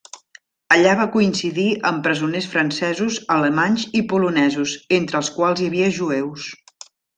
Allà va coincidir amb presoners francesos, alemanys i polonesos, entre els quals hi havia jueus.